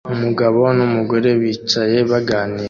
Umugabo numugore bicaye baganira